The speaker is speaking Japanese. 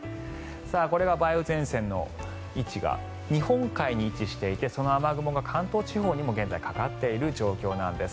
これが梅雨前線の位置が日本海に位置していてその雨雲が関東地方にも現在かかっている状況なんです。